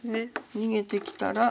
逃げてきたら。